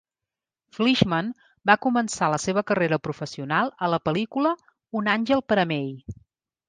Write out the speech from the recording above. Fleeshman va començar la seva carrera professional a la pel·lícula "Un àngel per a May".